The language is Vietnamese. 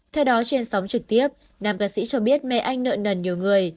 theo đó trên sóng trực tiếp nam ca sĩ cho biết mẹ anh nợ nần nhiều người